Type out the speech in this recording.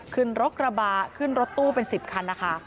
ขึ้นรถกระบะขึ้นรถตู้เป็น๑๐คันนะคะ